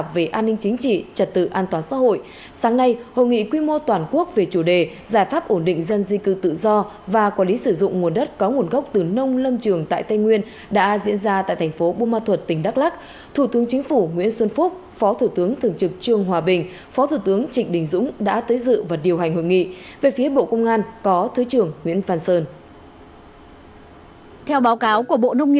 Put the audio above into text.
vì quy mô toàn quốc về chủ đề giải pháp ổn định dân di cư tự do và quản lý sử dụng nguồn đất có nguồn gốc từ nông lâm trường tại tây nguyên đã diễn ra tại thành phố bumathut tỉnh đắk lắc thủ tướng chính phủ nguyễn xuân phúc phó thủ tướng thường trực trường hòa bình phó thủ tướng trịnh đình dũng đã tới dự và điều hành hội nghị về phía bộ công an có thứ trưởng nguyễn phan sơn